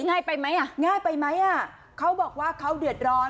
ง่ายไปไหมอ่ะง่ายไปไหมอ่ะเขาบอกว่าเขาเดือดร้อน